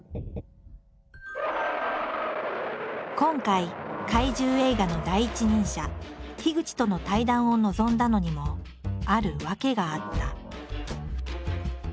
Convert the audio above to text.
今回怪獣映画の第一人者口との対談を望んだのにもある訳があった。